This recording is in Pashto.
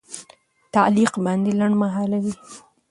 تعلیق باید لنډمهاله وي.